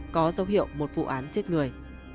có dấu hiệu một vụ án giết người